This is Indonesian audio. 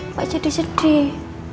mbak jadi sedih